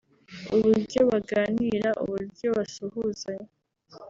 uburyo baganira uburyo basuhuzanya